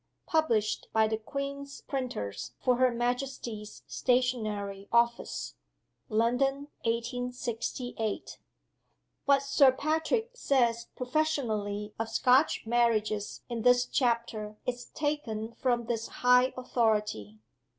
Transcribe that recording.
Published by the Queen's Printers For her Majesty's Stationery Office. (London, 1868.) What Sir Patrick says professionally of Scotch Marriages in this chapter is taken from this high authority.